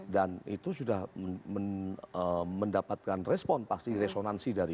dan itu sudah mendapatkan respon pasti resonansi dari